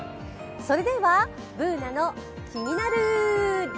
それでは「ＢｏｏｎａのキニナルＬＩＦＥ」。